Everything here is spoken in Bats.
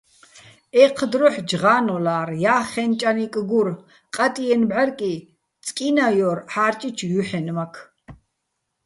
ეჴ დროჰ̦ ჯღა́ნოლა́რ, ჲახხეჼ ჭანიკ გურ, ყატჲიენო̆ ბჵარკი წკინაჲორ ჺა́რჭიჩო̆ ჲუჰ̦ენმაქ.